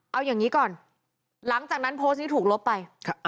เอาอย่างนี้ก่อนหลังจากนั้นโพสต์นี้ถูกลบไป